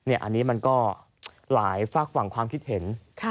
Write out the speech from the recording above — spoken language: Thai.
อันนี้มันก็หลายฝากฝั่งความคิดเห็น